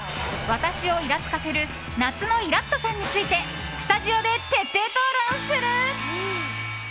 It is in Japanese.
私をイラつかせる夏のイラッとさんについてスタジオで徹底討論する。